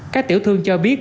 các tiểu thương cho biết